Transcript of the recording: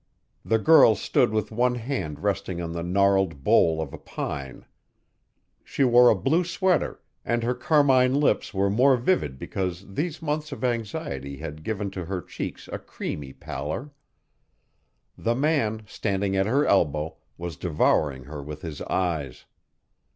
The girl stood with one hand resting on the gnarled bole of a pine. She wore a blue sweater, and her carmine lips were more vivid because these months of anxiety had given to her checks a creamy pallor. The man, standing at her elbow, was devouring her with his eyes.